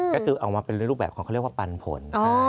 ก็คือออกมาเป็นรูปแบบของเขาเรียกว่าปันผล